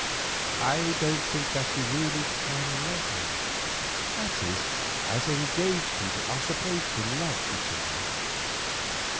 I don't think that he really can love her—that is, as engaged people are supposed to love each other.